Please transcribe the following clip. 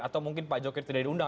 atau mungkin pak jokowi tidak diundang